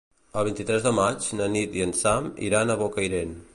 El vint-i-tres de maig na Nit i en Sam iran a Bocairent.